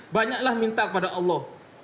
banyaklah minta pada allah